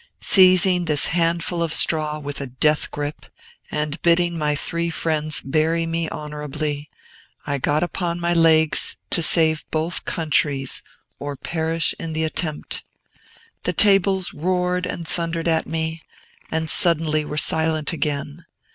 Seizing this handful of straw with a death grip, and bidding my three friends bury me honorably, I got upon my legs to save both countries, or perish in the attempt. The tables roared and thundered at me, and suddenly were silent again.